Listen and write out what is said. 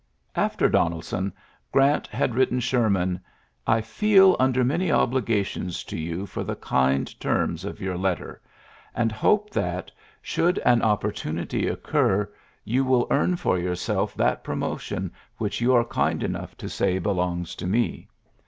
'' After Donelson, Grant had written therman: "I feel under many obliga ions to you for the kind terms of your eipber, and hope that, should an oppor iiorary v;o 80 TJLTSSES S. GEANT tunity occur, you will earn for yourself that promotiou which you are kind, enough to say belongs to me.